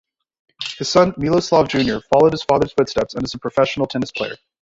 His son, Miloslav Junior followed his father's footsteps and is a professional tennis player.